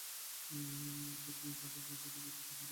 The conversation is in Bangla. তার দুই কাঁধের মাঝে নবুওয়াতের চিহ্ন রয়েছে।